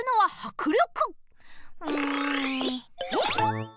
うんえい！